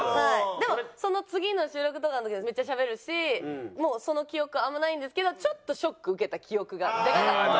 でもその次の収録とかの時はめっちゃしゃべるしもうその記憶あんまないんですけどちょっとショック受けた記憶がでかかった。